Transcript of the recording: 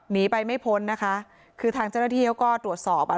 หนีไปไม่พ้นนะคะคือทางเจ้าหน้าที่เขาก็ตรวจสอบอ่ะ